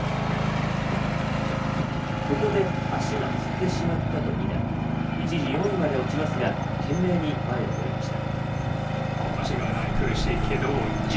ここで足がつってしまったとニナー、一時、４位まで落ちますが懸命に前を追いました。